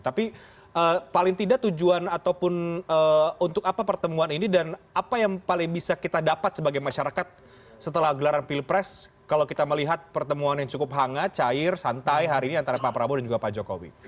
tapi paling tidak tujuan ataupun untuk apa pertemuan ini dan apa yang paling bisa kita dapat sebagai masyarakat setelah gelaran pilpres kalau kita melihat pertemuan yang cukup hangat cair santai hari ini antara pak prabowo dan juga pak jokowi